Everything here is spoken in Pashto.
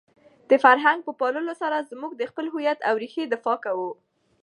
د فرهنګ په پاللو سره موږ د خپل هویت او رېښې دفاع کوو.